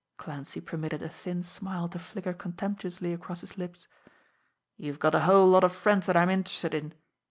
Clancy permitted a thin smile to flicker contemptuously across his lips. "You've got a whole lot of friends that I'm interested in.